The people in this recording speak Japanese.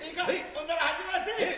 ほんなら始めまっせ。